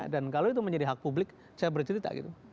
dan kalau itu menjadi hak publik saya bercerita gitu